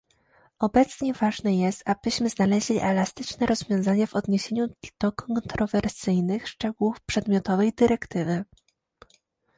Obecnie ważne jest, abyśmy znaleźli elastyczne rozwiązania w odniesieniu do kontrowersyjnych szczegółów przedmiotowej dyrektywy